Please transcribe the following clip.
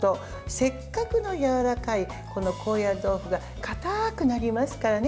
せっかくのやわらかい高野豆腐がかたくなりますからね